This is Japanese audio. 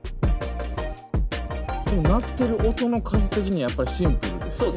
鳴ってる音の数的にやっぱりシンプルですね。